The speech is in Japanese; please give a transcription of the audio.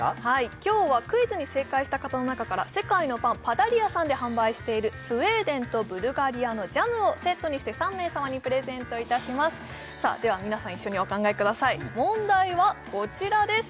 今日はクイズに正解した方の中から世界のパンパダリアさんで販売しているスウェーデンとブルガリアのジャムをセットにして３名様にプレゼントいたしますさあでは皆さん一緒にお考えください問題はこちらです